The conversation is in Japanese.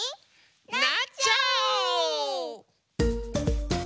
なっちゃおう！